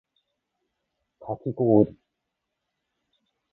かきごおり